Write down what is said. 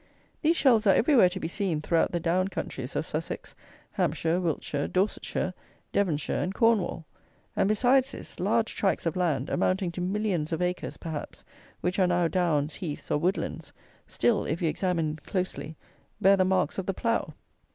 These shelves are everywhere to be seen throughout the down countries of Sussex, Hampshire, Wiltshire, Dorsetshire, Devonshire, and Cornwall; and besides this, large tracts of land, amounting to millions of acres, perhaps, which are now downs, heaths, or woodlands, still, if you examine closely, bear the marks of the plough.